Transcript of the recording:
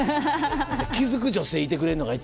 気付く女性いてくれるのが一番やな。